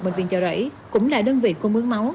bệnh viện chợ rẫy cũng là đơn vị cung mướng máu